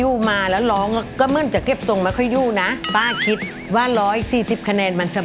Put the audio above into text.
มันเจ้าหัวจ๋อยสมัยก่อนพวกพี่เราก็เอามาเล่นกันเนี้ยก็คือเป็นคือหนูน่ารักไปหมดเลยแบบครั้งต่อไปนะถ้าเข้ารอบน่ะฟังวิจัยนี้น่ะแล้วเป็นเพลงสนุกน่ะ